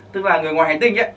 tức là người ngoài hành tinh đấy